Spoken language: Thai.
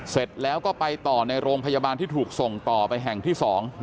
เสร็จแล้วก็ไปต่อในโรงพยาบาลที่ถูกส่งต่อไปแห่งที่๒